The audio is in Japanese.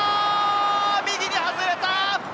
右に外れた！